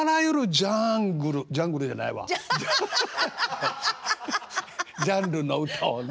ジャンルの歌をね